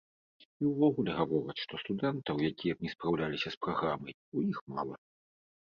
І ўвогуле гавораць, што студэнтаў, якія б не спраўляліся з праграмай, у іх мала.